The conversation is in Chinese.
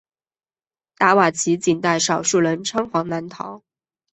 达瓦齐仅带少数人仓皇南逃。